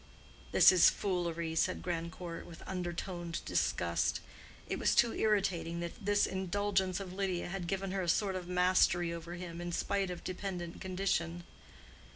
"This is foolery," said Grandcourt, with undertoned disgust. It was too irritating that this indulgence of Lydia had given her a sort of mastery over him in spite of dependent condition.